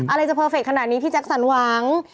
อะไรจะเพอร์เฟคขนาดนี้พี่แจ็คสันหวัง